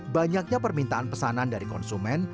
banyaknya permintaan pesanan dari konsumen